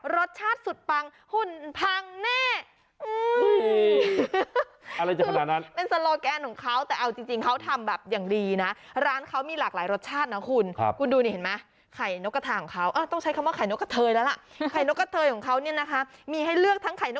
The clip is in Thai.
รสชาติสุดปังหุ่นพังแน่